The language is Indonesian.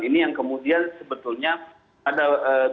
ini yang kemudian sebetulnya ada blueprint deradikalisasi